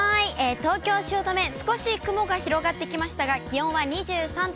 東京・汐留、少し雲が広がってきましたが、気温は２３度。